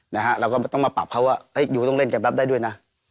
เราก็ต้องมาปรับเขาว่ายูต้องเล่นเกมรับได้ด้วยนะ